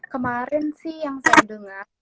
kemarin sih yang saya dengar